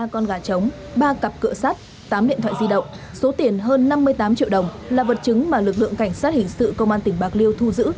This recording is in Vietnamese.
ba con gà trống ba cặp cửa sắt tám điện thoại di động số tiền hơn năm mươi tám triệu đồng là vật chứng mà lực lượng cảnh sát hình sự công an tỉnh bạc liêu thu giữ